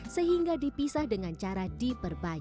sehingga dipisah dengan cara diperbaiki